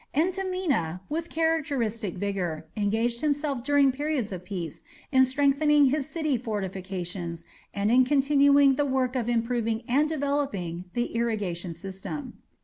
Entemena, with characteristic vigour, engaged himself during periods of peace in strengthening his city fortifications and in continuing the work of improving and developing the irrigation system.